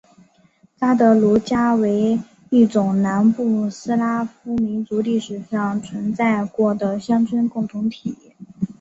札德鲁加为一种南部斯拉夫民族历史上存在过的乡村共同体。